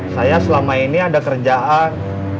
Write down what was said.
saya selama ini ada kerjaan